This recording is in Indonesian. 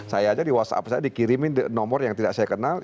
saya aja di whatsapp saya dikirimin nomor yang tidak saya kenal